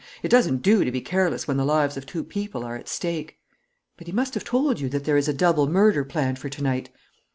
It doesn't do to be careless when the lives of two people are at stake. For he must have told you that there is a double murder planned for to night?"